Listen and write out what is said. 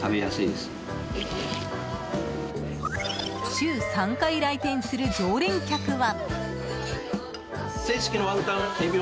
週３回来店する常連客は。